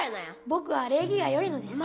ぼくは礼儀がよいのです。